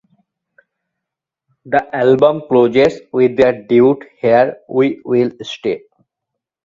The album closes with their duet Here We'll Stay.